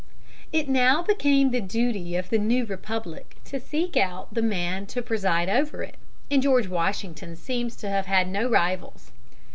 It now became the duty of the new republic to seek out the man to preside over it, and George Washington seems to have had no rivals.